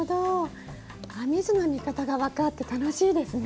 編み図の見方が分かって楽しいですね。